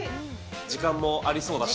時間もありそうだし。